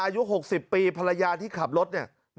อายุ๖๐ปีภรรยาที่ขับรถเนี่ย